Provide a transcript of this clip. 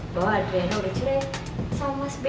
bahwa adriana sudah cerai sama mas be